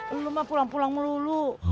ulu mah pulang pulang melulu